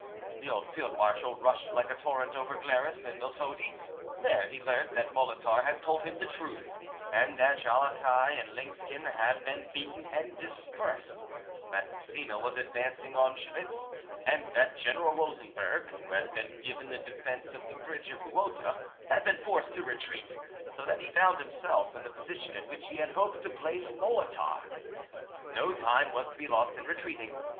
The old field marshal rushed like a torrent over Glaris and Miltodi; there he learnt that Molitor had told him the truth, and that Jallachieh and Linsken had been beaten and dispersed, that Massena was advancing on Schwitz, and that General Rosenberg, who had been given the defence of the bridge of Muotta, had been forced to retreat, so that he found himself in the position in which he had hoped to place Molitor. No time was to be lost in retreating.